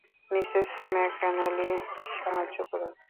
Mrs McNally সাহায্য করুন।